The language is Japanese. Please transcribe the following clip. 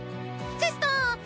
チェスト−！